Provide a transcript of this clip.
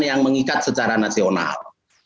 yang mengikat secara nasional